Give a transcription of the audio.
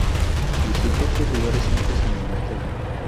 Visitó otros lugares santos en Inglaterra.